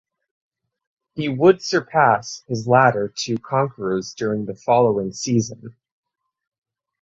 He would surpass his latter two conquerors during the following season.